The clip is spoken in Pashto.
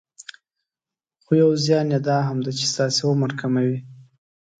خو يو زيان يي دا هم ده چې ستاسې عمر کموي.